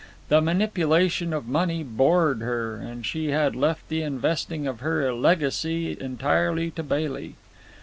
The manipulation of money bored her, and she had left the investing of her legacy entirely to Bailey.